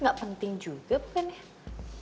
gak penting juga bukan ya